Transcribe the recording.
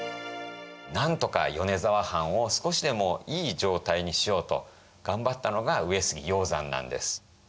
なんとか米沢藩を少しでもいい状態にしようと頑張ったのが上杉鷹山なんです。